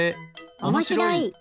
おもしろい！